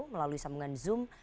melalui sambungan zoom